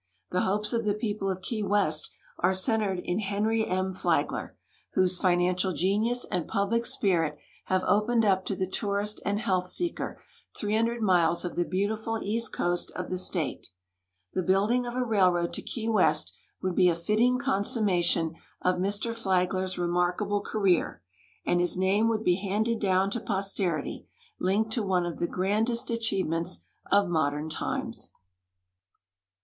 The hopes of the i)Cople of Key West are centered in Henry INI. Flagler, whose financial genius and jmblic spirit have opened up to the tourist and health seeker 300 miles of the beautiful east coast of the state. Tlie building of a railroad to Key West would be a fitting consummation of Mr. Flagler's remarkable career, and his name would be handed down to jtosterity linked to one of the grandest achievements of modern times.